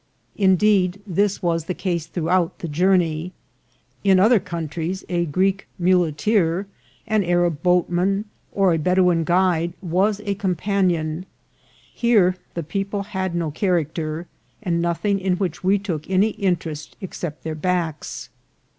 In deed, this was the case throughout the journey. In other countries a Greek muleteer, an Arab boatman, or a Bedouin guide was a companion ; here the people had no character, and nothing in which we took any interest except their backs.